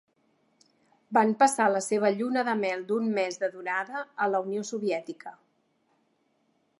Van passar la seva lluna de mel d'un mes de durada a la Unió Soviètica.